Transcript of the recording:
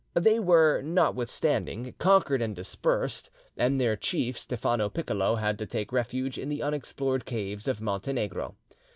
They were, notwithstanding, conquered and dispersed; and their chief, Stephano Piccolo, had to take refuge in the unexplored caves of Montenegro.